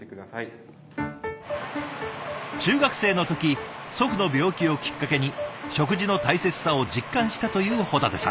中学生の時祖父の病気をきっかけに食事の大切さを実感したという保立さん。